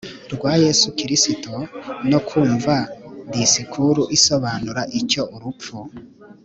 Rwa yesu kristo no kumva disikuru isobanura icyo urupfu